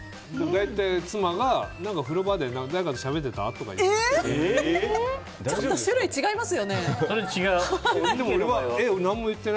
大体、妻が、風呂場で何かしゃべってた？とか言って。